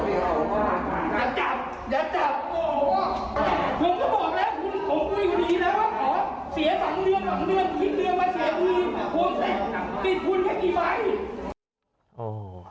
คิดเรื่องว่าเสียดูดผมจะติดคุณกันกี่ไม้